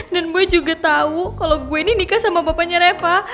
dan gue juga tau kalo gue ini nikah sama bapaknya reva